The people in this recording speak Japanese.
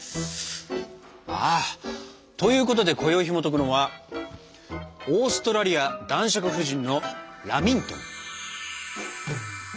あということでこよいひもとくのはオーストラリア男爵夫人のラミントン！